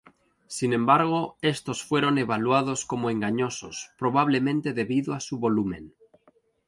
Sin embargo, estos fueron evaluados como engañosos, probablemente debido a su volumen.